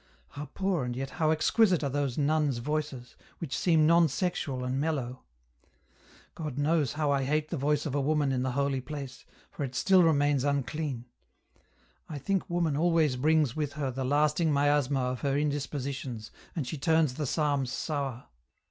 " How poor and yet how exquisite are those nuns' voices, which seem non sexual and mellow ! God knows how I hate the voice of a woman in the holy place, for it still remains unclean. I think woman always brings with her the lasting miasma of her indispositions and she turns the psalms sour.